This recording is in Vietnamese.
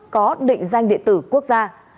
có định danh đệ tử quốc gia